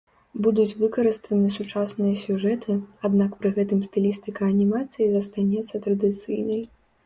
Будуць выкарыстаны сучасныя сюжэты, аднак пры гэтым стылістыка анімацыі застанецца традыцыйнай.